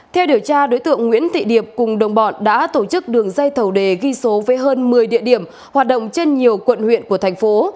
theo điều tra đối tượng nguyễn thị điệp cùng đồng bọn đã tổ chức đường dây thầu đề ghi số với hơn một mươi địa điểm hoạt động trên nhiều quận huyện của thành phố